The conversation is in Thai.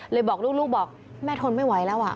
บอกลูกบอกแม่ทนไม่ไหวแล้ว